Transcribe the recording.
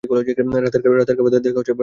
রাতের খাবার দেখা হচ্ছে, আগামীকালকে।